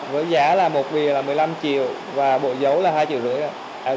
với giả là một bìa là một mươi năm triệu và bộ dấu là hai triệu rưỡi